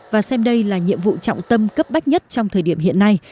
và xem đây là nhiệm vụ trọng tâm cấp bách nhất trong thời điểm hiện nay